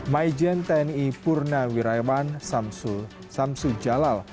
majen tni purnawirawan samsu jalal